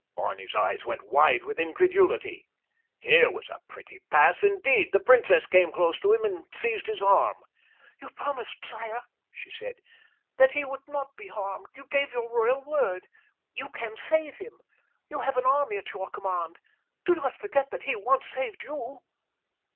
Barney's eyes went wide with incredulity. Here was a pretty pass, indeed! The princess came close to him and seized his arm. "You promised, sire," she said, "that he would not be harmed—you gave your royal word. You can save him. You have an army at your command. Do not forget that he once saved you."